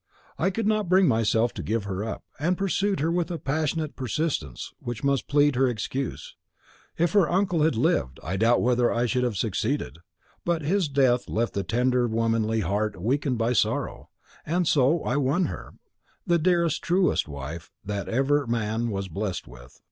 I could not bring myself to give her up, and pursued her with a passionate persistence which must plead her excuse. If her uncle had lived, I doubt whether I should ever have succeeded. But his death left the tender womanly heart weakened by sorrow; and so I won her, the dearest, truest wife that ever man was blest withal.